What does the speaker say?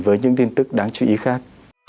với những tin tức đáng chú ý khác